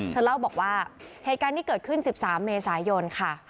เธอเล่าบอกว่าเหตุการณ์ที่เกิดขึ้น๑๓เมษายนค่ะ